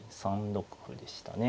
３六歩でしたね。